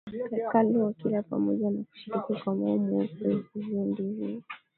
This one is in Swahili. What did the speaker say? hekalu wakila pamoja na kushiriki kwa moyo mweupe Hivyo ndivyo